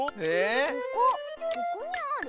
ここにある？